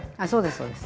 そうです。